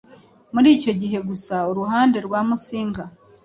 Muri icyo gihe gusa uruhande rwa Musinga